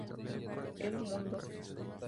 El mundo.